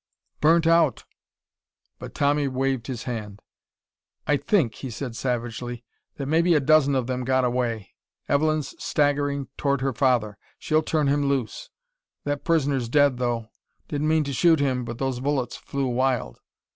"Burnt out!" But Tommy waved his hand. "I think," he said savagely, "that maybe a dozen of them got away. Evelyn's staggering toward her father. She'll turn him loose. That prisoner's dead, though. Didn't mean to shoot him, but those bullets flew wild."